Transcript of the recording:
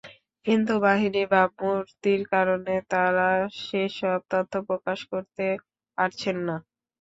কিন্তু বাহিনীর ভাবমূর্তির কারণে তাঁরা সেসব তথ্য প্রকাশ করতে পারছেন না।